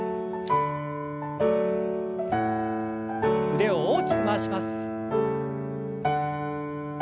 腕を大きく回します。